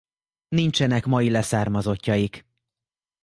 Nincsenek mai leszármazottjaik.